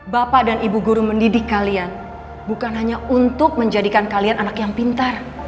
bapak dan ibu guru mendidik kalian bukan hanya untuk menjadikan kalian anak yang pintar